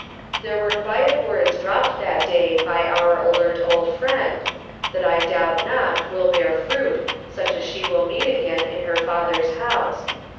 There were quiet words dropped that day by our alert old friend, that I doubt not will bear fruit such as she will meet again in her Father's house.